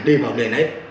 đi vào nền ấy